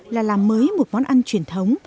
là làm mới một món ăn truyền thống